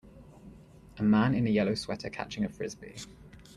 A man in a yellow sweater catching a Frisbee.